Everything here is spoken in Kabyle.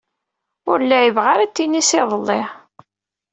Ur lɛibeɣ ara tinis iḍelli.